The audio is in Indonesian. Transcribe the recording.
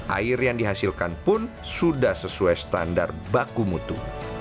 air yang dihasilkan pun sudah sesuai standar baku mutu